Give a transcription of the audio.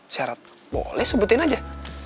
syarat boleh sebutin aja